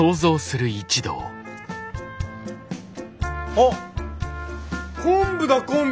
あっ昆布だ昆布。